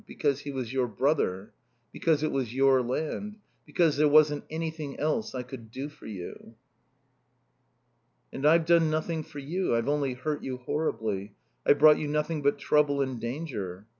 Because he was your brother. Because it was your land. Because there wasn't anything else I could do for you." "And I've done nothing for you. I've only hurt you horribly. I've brought you nothing but trouble and danger."